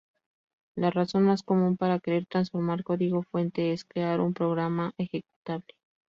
La razón más común para querer transformar código fuente es crear un programa ejecutable.